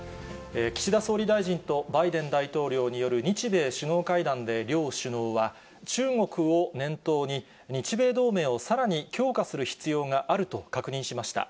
岸田総理大臣とバイデン大統領による日米首脳会談で両首脳は、中国を念頭に、日米同盟をさらに強化する必要があると確認しました。